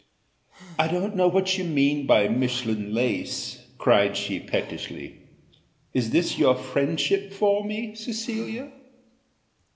"I don't know what you mean by Mechlin lace," cried she pettishly. "Is this your friendship for me, Cecilia?"